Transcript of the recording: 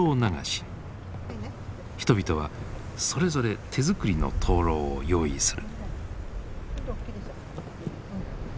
人々はそれぞれ手作りの灯籠を用意する。